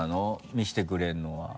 見せてくれるのは。